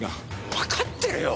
わかってるよ！